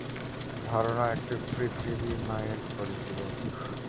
ধারণা একটি পৃথিবী মায়ের পরিপূরক।